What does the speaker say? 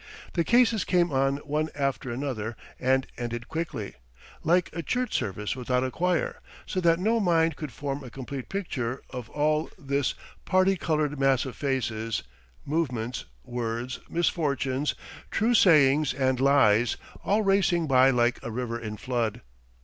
The cases came on one after another and ended quickly, like a church service without a choir, so that no mind could form a complete picture of all this parti coloured mass of faces, movements, words, misfortunes, true sayings and lies, all racing by like a river in flood.